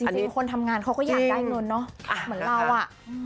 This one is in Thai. จริงคนทำงานเขาก็อยากได้เงินเนอะเหมือนเราอ่ะ